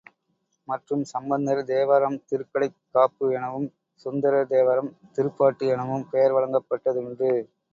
மற்றும், Sambandar Thevaram Thirukkadaikkappu எனவும், சுந்தரர் தேவாரம் திருப்பாட்டு எனவும் பெயர் வழங்கப் பட்டதுண்டு.